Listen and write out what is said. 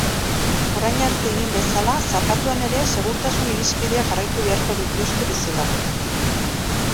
Orain arte egin bezala zapatuan ere segurtasun irizpideak jarraitu beharko dituzte bizilagunek.